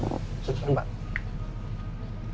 ciri ciri yang kasih uang kayak gimana